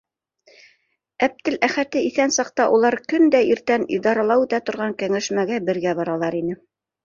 Әптеләхәте иҫән саҡта улар көн дә иртән идарала үтә торған кәңәшмәгә бергә баралар ине.